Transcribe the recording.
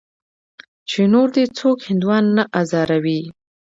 چې نور دې څوک هندوان نه ازاروي.